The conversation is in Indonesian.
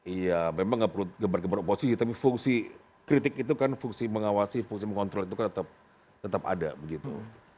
iya memang nggak perlu gebar gebar oposisi tapi fungsi kritik itu kan fungsi mengawasi fungsi mengontrol itu kan tetap ada begitu